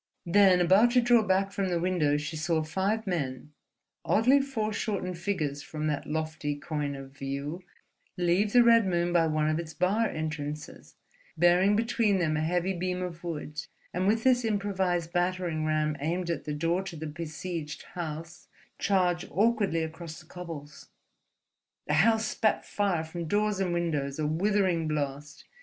Then, about to draw back from the window, she saw five men, oddly foreshortened figures from that lofty coign of view, leave the Red Moon by one of its bar entrances, bearing between them a heavy beam of wood, and with this improvised battering ram aimed at the door to the besieged house, charge awkwardly across the cobbles. The house spat fire from door and windows, a withering blast.